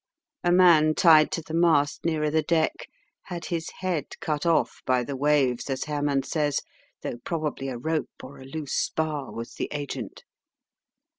A man tied to the mast nearer the deck had his head cut off by the waves, as Herrmann says, though probably a rope or a loose spar was the agent.